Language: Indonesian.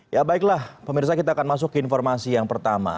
ya baiklah pemirsa kita akan masuk ke informasi yang pertama